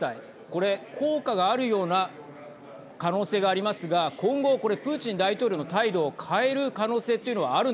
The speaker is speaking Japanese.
これ効果があるような可能性がありますが今後これ、プーチン大統領の態度を変える可能性っていうのははい。